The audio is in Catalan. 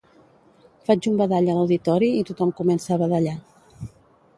Faig un badall a l'auditori i tothom comença a badallar